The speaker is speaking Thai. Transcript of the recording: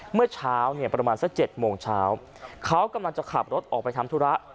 เมื่อเช้าเนี่ยประมาณสัก๗โมงเช้าเขากำลังจะขับรถออกไปทำธุระ